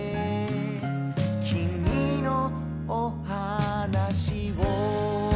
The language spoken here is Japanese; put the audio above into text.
「きみのおはなしを」